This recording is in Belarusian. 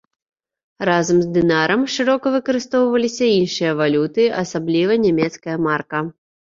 Разам з дынарам шырока выкарыстоўваліся іншыя валюты, асабліва нямецкая марка.